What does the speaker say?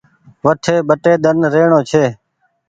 وٺي ٻٽي ۮن رهڻو ڇي